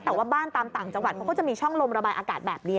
แต่ว่าบ้านตามต่างจังหวัดเขาก็จะมีช่องลมระบายอากาศแบบนี้